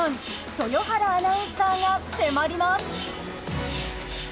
豊原アナウンサーが迫ります！